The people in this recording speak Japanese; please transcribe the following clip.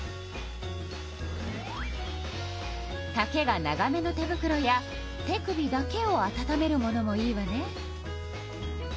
たけが長めの手ぶくろや手首だけを温めるものもいいわね。